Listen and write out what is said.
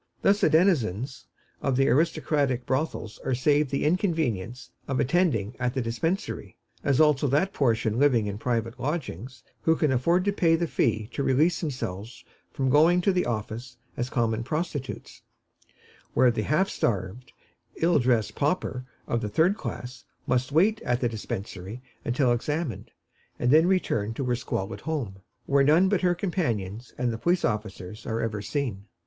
Thus the denizens of the aristocratic brothels are saved the inconvenience of attending at the Dispensary, as also that portion living in private lodgings who can afford to pay the fee to release themselves from going to the office as common prostitutes, while the half starved, ill dressed pauper of the third class must wait at the Dispensary until examined, and then return to her squalid home, where none but her companions and the police officers are ever seen.